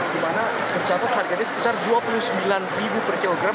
dimana tercatat harganya sekitar dua puluh sembilan per kilogram